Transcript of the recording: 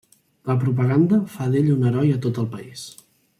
La propaganda fa d'ell un heroi a tot el país.